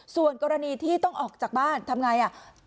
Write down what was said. ส่วนกรณีที่ต้องออกจากบ้านทำไงอ่ะ